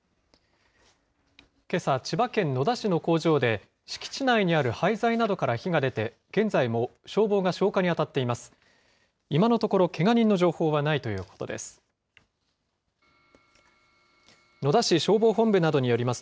けさ、千葉県野田市の工場で、敷地内にある廃材などから火が出て、現在も消防が消火に当たっています。